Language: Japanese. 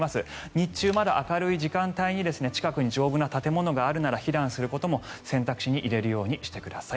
日中、まだ明るい時間帯に近くに丈夫な建物があるなら避難することも選択肢に入れるようにしてください。